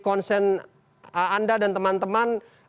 konsen anda dan teman teman